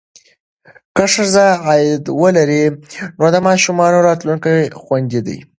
که ښځه عاید ولري، نو د ماشومانو راتلونکی خوندي دی.